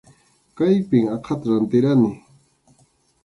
Kaypim aqhata rantirqani.